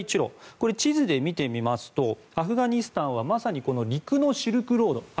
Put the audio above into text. これ、地図で見てみますとアフガニスタンはまさに陸ノシシルクロード。